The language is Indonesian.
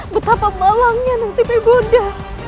betapa melangi nasib ibunda